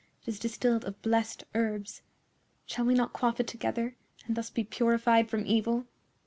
It is distilled of blessed herbs. Shall we not quaff it together, and thus be purified from evil?"